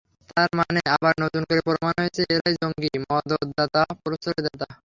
তার মানে আবার নতুন করে প্রমাণ হয়েছে, এঁরাই জঙ্গির মদদদাতা, প্রশ্রয়দাতা।